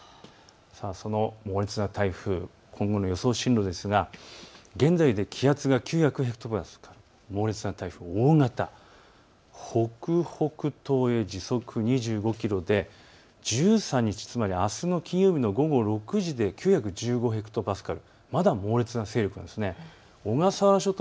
その猛烈な台風、今後の予想進路ですが、現在で気圧が９００ヘクトパスカル、猛烈な台風、大型、北北東へ時速２５キロで１３日、つまりあすの金曜日の午後６時で９１５ヘクトパスカル、まだ猛烈な勢力です。